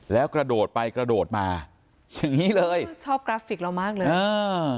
แล้วกระโดดไปกระโดดมาอย่างงี้เลยชอบกราฟิกเรามากเลยอ่า